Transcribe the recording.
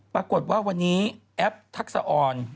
ปรากฏว่าวันนี้แอปทักษะออน